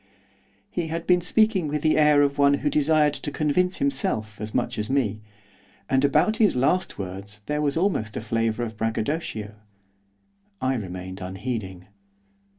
He had been speaking with the air of one who desired to convince himself as much as me, and about his last words there was almost a flavour of braggadocio. I remained unheeding.